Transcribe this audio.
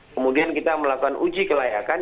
kemudian kita melakukan uji kelayakan